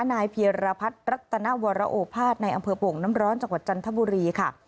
นายเพียรพัฒน์รัตนวรโอภาษณ์ในอำเภอโป่งน้ำร้อนจังหวัดจันทบุรีค่ะ